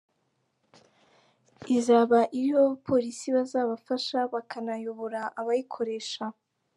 Izaba iriho abapolisi bazafasha bakanayobora abayikoresha.